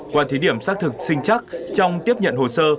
qua thí điểm xác thực sinh chắc trong tiếp nhận hồ sơ